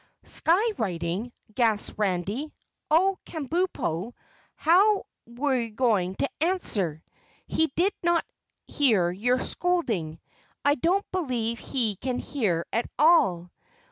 "Sky writing!" gasped Randy. "Oh, Kabumpo, how're we going to answer? He did not hear your scolding. I don't believe he can hear at all.